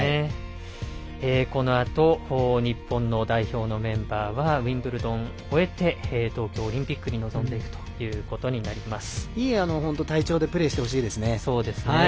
このあと日本の代表のメンバーはウィンブルドンを終えて東京オリンピックに臨んでいくいい体調でプレーしてほしいですね。